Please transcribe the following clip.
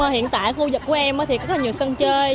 hiện tại khu vực của em thì có rất là nhiều sân chơi